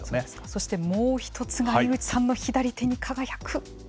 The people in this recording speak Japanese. そしてもう一つが井口さんの左手に輝く。